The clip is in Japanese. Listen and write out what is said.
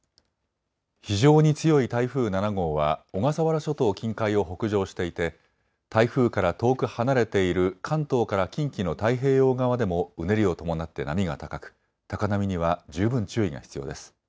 非常に強い台風７号は小笠原諸島近海を北上していて台風から遠く離れている関東から近畿の太平洋側でもうねりを伴って波が高く高波には十分注意が必要です。